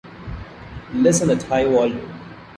Listen at high volume.